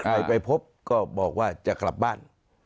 ไปพบก็บอกว่าจะกลับบ้าน